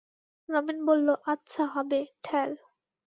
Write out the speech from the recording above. রমেন বলল-আচ্ছা হবে, ঠেল।